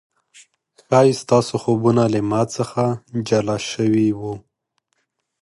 ښايي ستا خوبونه له ما څخه جلا شوي و